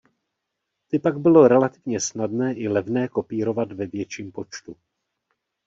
Ty pak bylo relativně snadné i levné kopírovat ve větším počtu.